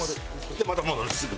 でまた戻るすぐ。